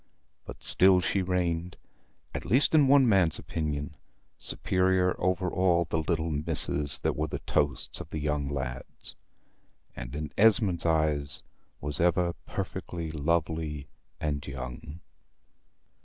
But still she reigned, at least in one man's opinion, superior over all the little misses that were the toasts of the young lads; and in Esmond's eyes was ever perfectly lovely and young.